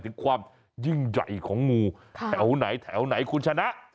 ถึงความยิ่งใหญ่ของงูแถวไหนแถวไหนคุณชนะ